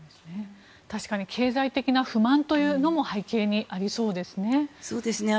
確かに経済的な不満というのも背景にありそうですね。